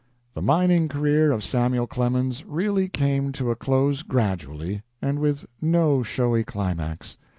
The mining career of Samuel Clemens really came to a close gradually, and with no showy climax.